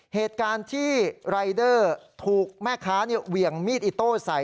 เหตุการณ์ที่รายเดอร์ถูกแม่ค้าเหวี่ยงมีดอิโต้ใส่